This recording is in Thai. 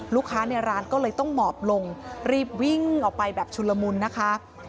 ลูกค้าในร้านก็เลยต้องหมอบลงรีบวิ่งออกไปแบบชุนละมุนนะคะ